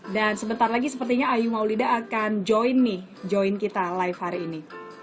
dan sebentar lagi sepertinya ayu maulida akan join nih join kita live hari ini